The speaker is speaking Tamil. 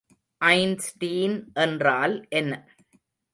ஐன்ஸ்டீன் என்றால் என்ன?